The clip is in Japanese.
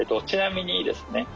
ちなみにですね